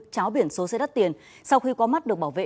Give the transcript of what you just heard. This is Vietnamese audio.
cháo biển số xe đắt tiền sau khi có mắt được bảo vệ